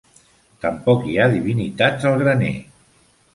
Tampoc hi ha divinitats al graner.